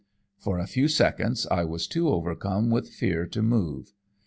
For a few seconds I was too overcome with fear to move.